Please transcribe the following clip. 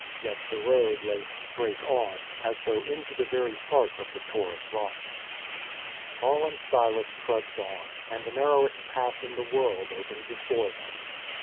Yet the road lay straight on, as though into the very heart of the Taurus rocks. Paul and Silas trudged on; and the narrowest pass in the world opened before them.